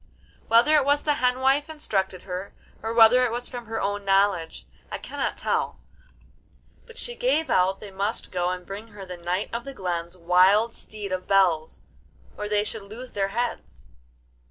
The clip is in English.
Whether it was the hen wife instructed her, or whether it was from her own knowledge, I cannot tell; but she gave out they must go and bring her the Knight of the Glen's wild Steed of Bells, or they should lose their heads.